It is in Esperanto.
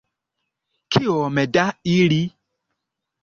Kiom da ili?